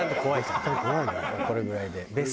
これぐらいで。